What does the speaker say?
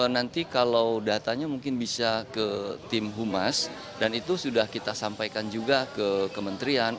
nanti kalau datanya mungkin bisa ke tim humas dan itu sudah kita sampaikan juga ke kementerian